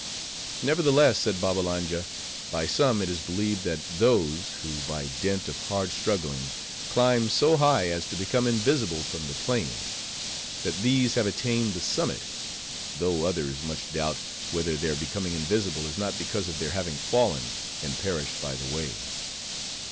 "Nevertheless," said Babbalanja, "by some it is believed, that those, who by dint of hard struggling climb so high as to become invisible from the plain; that these have attained the summit; though others much doubt, whether their becoming invisible is not because of their having fallen, and perished by the way."